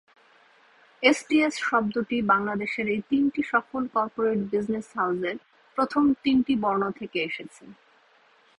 STS শব্দটি বাংলাদেশের এই তিনটি সফল কর্পোরেট বিজনেস হাউসের প্রথম তিনটি বর্ণ থেকে এসেছে।